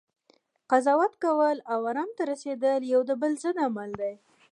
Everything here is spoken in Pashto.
قضاوت کول، او ارام ته رسیدل یو د بل ضد عمل دی